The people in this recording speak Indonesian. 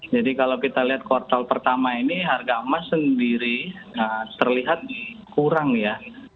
jadi kalau kita lihat kuartal pertama ini harga emas sendiri terlihat kurang ya